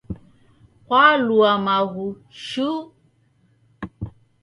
Kwalua maghu shuu.